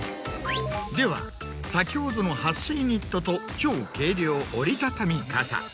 では先ほどの撥水ニットと超軽量折り畳み傘。